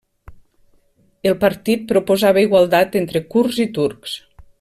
El partit proposava igualtat entre kurds i turcs.